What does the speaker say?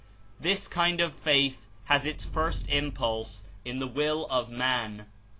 This kind of faith has its first Impulse In the will of man.